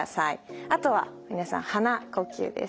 あとは皆さん鼻呼吸です。